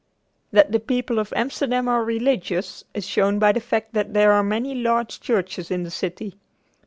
That the people of Amsterdam are religious is shown by the fact that there are many large churches in the city.